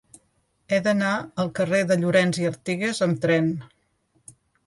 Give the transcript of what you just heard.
He d'anar al carrer de Llorens i Artigas amb tren.